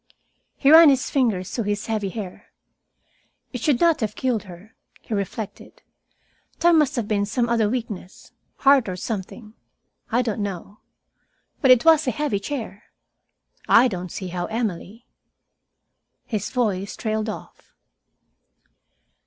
He ran his fingers through his heavy hair. "It should not have killed her," he reflected. "There must have been some other weakness, heart or something. I don't know. But it was a heavy chair. I don't see how Emily " His voice trailed off.